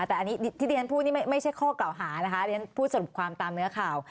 แต่อันนี้ที่เรียนพูดนี่ไม่ใช่ข้อกล่าวหานะคะเรียนพูดสรุปความตามเนื้อข่าว